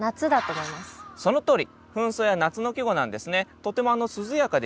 そのとおり！